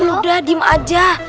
udah dim aja